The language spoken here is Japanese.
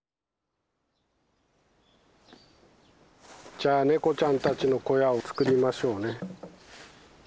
じゃあ猫ちゃんたちの小屋を作りましょうね。